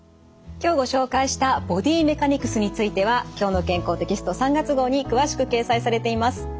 今日ご紹介したボディメカニクスについては「きょうの健康」テキスト３月号に詳しく掲載されています。